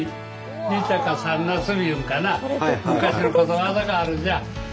二たか三なすびいうんかな昔のことわざがあるんじゃ。